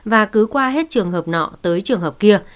và cứ qua hết trường hợp nọ tới trường hợp kia